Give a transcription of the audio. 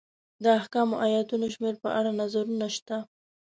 د احکامو ایتونو شمېر په اړه نظرونه شته.